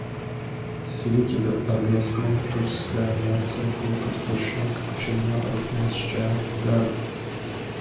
Siļķe ar biezpienu, trusis krējuma mērcē, kūka ar ķiršiem, kapučino, rupjmaizes šķēle. Gardi!